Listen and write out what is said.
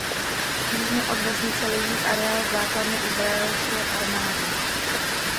Jižně od vesnice leží areál základny izraelské armády.